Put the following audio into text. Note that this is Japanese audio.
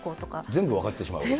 全部分かってしまうでしょ。